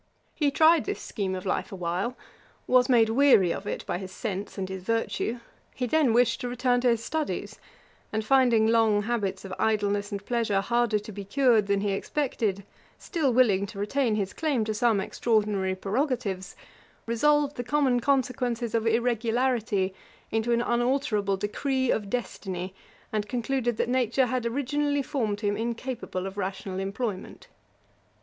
He tried this scheme of life awhile, was made weary of it by his sense and his virtue; he then wished to return to his studies; and finding long habits of idleness and pleasure harder to be cured than he expected, still willing to retain his claim to some extraordinary prerogatives, resolved the common consequences of irregularity into an unalterable decree of destiny, and concluded that Nature had originally formed him incapable of rational employment.